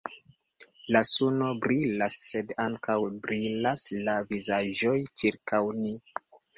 La suno brilas, sed ankaŭ brilas la vizaĝoj ĉirkaŭ ni.